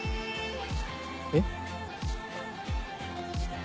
えっ？